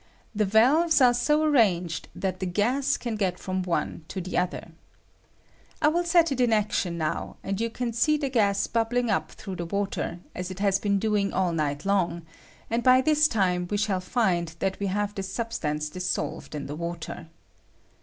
The valves are so arranged that the gas can get from one to the other. I will set it in action now, and you can see the gas bubbling up through the water, as it has been doing all night long, and by this time we shall find that we have this substance dissolved in the water.